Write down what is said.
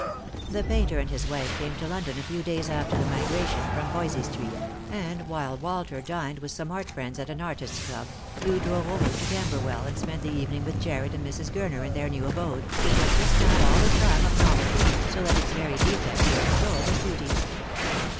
The painter and his wife came to London a few days after the migration from Voysey street; and while Walter dined with some art friends at an artists' club, Loo drove over to Camberwell, and spent the evening with Jarred and Mrs. Gur ner in their new abode, which had just now all the charm of novelty, so that its very defects were extolled as beauties.